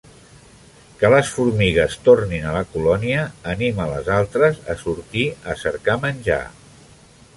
Que les formigues tornin a la colònia anima les altres a sortir a cercar menjar.